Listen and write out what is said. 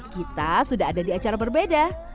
kita sudah ada di acara berbeda